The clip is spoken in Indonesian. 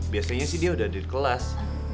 biasanya sih dia udah di kelas